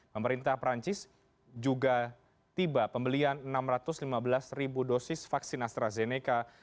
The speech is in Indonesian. pemerintah perancis juga tiba pembelian enam ratus lima belas ribu dosis vaksin astrazeneca